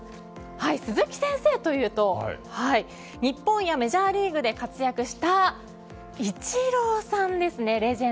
鈴木先生というと日本やメジャーリーグで活躍したイチローさんですね。